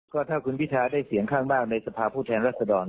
ก็ถ้าคุณพิทาได้เสียงข้างมากในสภาพผู้แทนรัศดร